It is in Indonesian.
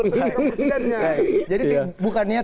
dengan presidennya jadi bukannya